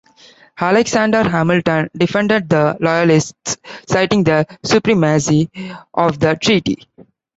Alexander Hamilton defended the Loyalists, citing the supremacy of the treaty.